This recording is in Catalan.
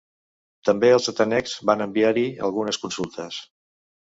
També els atenencs van enviar-hi algunes consultes.